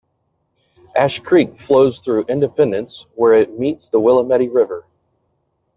Ash Creek flows through Independence, where it meets the Willamette River.